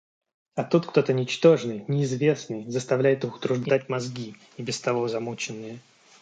А тут кто-то ничтожный, неизвестный заставляет их утруждать мозги, и без того замученные.